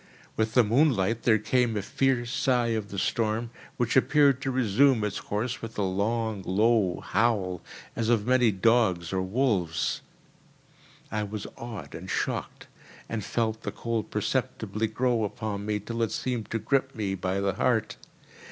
With the moonlight there came a fierce sigh of the storm, which appeared to resume its course with a long, low howl, as of many dogs or wolves. I was awed and shocked, and felt the cold perceptibly grow upon me till it seemed to grip me by the heart.